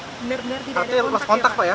tapi lo pas kontak pak ya